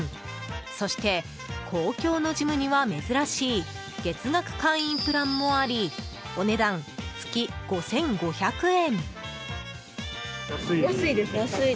そして、公共のジムには珍しい月額会員プランもありお値段、月５５００円。